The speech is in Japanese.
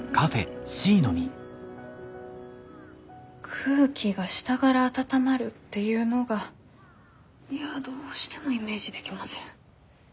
空気が下がら温まるっていうのがいやどうしてもイメージできません。